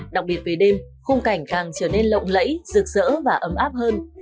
đặc biệt về đêm khung cảnh càng trở nên lộng lẫy rực rỡ và ấm áp hơn